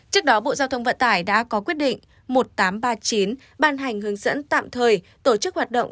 trước đó bộ giao thông vận tải đã có quyết định một nghìn tám trăm ba mươi chín ban hành hướng dẫn tạm thời tổ chức hoạt động